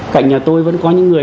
cạnh nhà tôi vẫn có những người